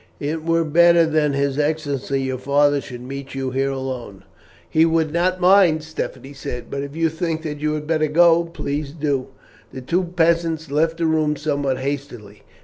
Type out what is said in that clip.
It were better that his excellency, your father, should meet you here alone." "He would not mind," Stephanie said, "but if you think that you had better go, please do." The two peasants left the room somewhat hastily.